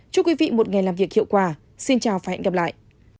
chúc quý vị một ngày làm việc hiệu quả xin chào và hẹn gặp lại